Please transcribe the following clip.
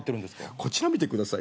こちら見てください。